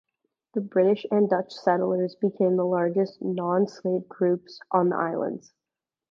The British and Dutch settlers became the largest non-slave groups on the islands.